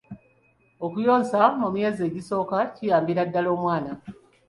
Okuyonsa mu myezi egisooka kiyambira ddala omwana.